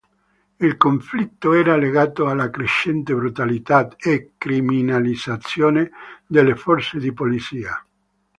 Il conflitto era legato alla crescente brutalità e criminalizzazione delle forze di polizia.